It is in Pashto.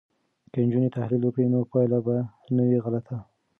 که نجونې تحلیل وکړي نو پایله به نه وي غلطه.